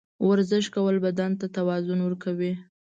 ورزش کول بدن ته توازن ورکوي.